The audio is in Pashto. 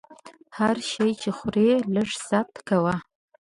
هر شی چې خورې لږ ست کوه!